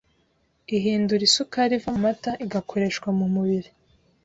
ihindura isukari iva mu mata, igakoreshwa mu mubiri